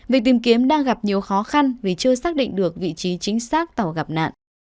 việc tìm kiếm đang gặp nhiều khó khăn vì chưa xác định được vị trí chính xác tàu gặp nạn